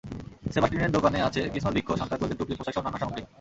সেবাস্টিনের দোকানে আছে ক্রিসমাস বৃক্ষ, সান্তা ক্লজের টুপি, পোশাকসহ নানা সামগ্রী।